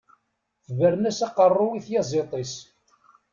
Tebren-as aqeṛṛuy i tyaẓiḍt-is.